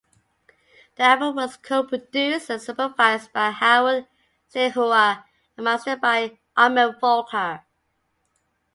The album was co-produced and supervised by Harald Steinhauer, and mastered by Armand Volker.